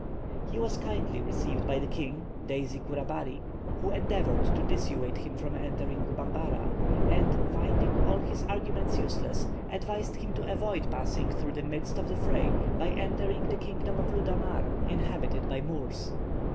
He was kindly received by the king, Daisy Kourabari, who endeavoured to dissuade him from entering Bambara, and, finding all his arguments useless, advised him to avoid passing through the midst of the fray, by entering the kingdom of Ludamar, inhabited by Moors.